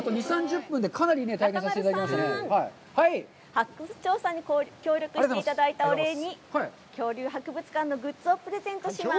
発掘調査に協力していただいたお礼に、恐竜博物館のグッズをプレゼントします。